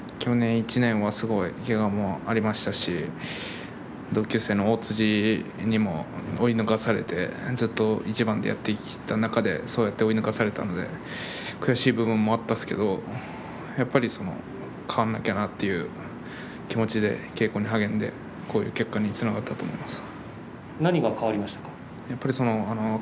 去年１年にはすごいけがもありましたし同級生の大辻にも追い抜かされてずっと一番でやってきた中で追い抜かされたので悔しい部分もあったんですけどやっぱり変わらなきゃなという気持ちで稽古に励んでこういう結果につながったと思います。